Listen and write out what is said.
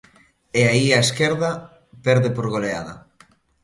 E aí a esquerda perde por goleada.